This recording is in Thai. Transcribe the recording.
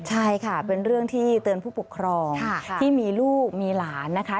ใช่ค่ะเป็นเรื่องที่เตือนผู้ปกครองที่มีลูกมีหลานนะคะ